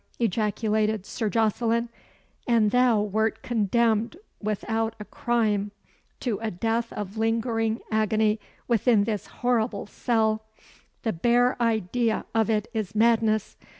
ejaculated Sir Jocelyn. "And thou wert condemned without a crime to a death of lingering agony within this horrible cell! The bare idea of it is madness.